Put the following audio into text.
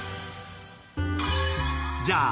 じゃあ